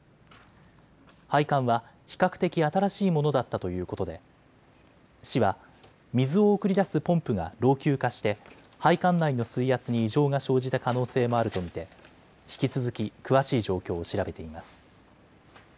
配管は比較的新しいものだったということで市は水を送り出すポンプが老朽化して配管内の水圧に異常が生じた可能性もあると見て引き続き詳しい状況を調べています。